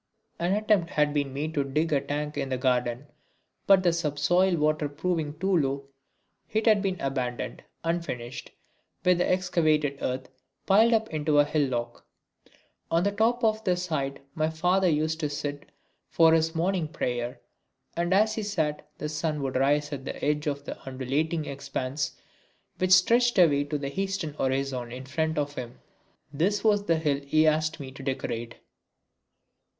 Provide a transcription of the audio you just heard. An attempt had been made to dig a tank in the garden, but the subsoil water proving too low, it had been abandoned, unfinished, with the excavated earth left piled up into a hillock. On the top of this height my father used to sit for his morning prayer, and as he sat the sun would rise at the edge of the undulating expanse which stretched away to the eastern horizon in front of him. This was the hill he asked me to decorate.